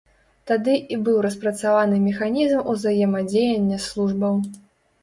Тады і быў распрацаваны механізм узаемадзеяння службаў.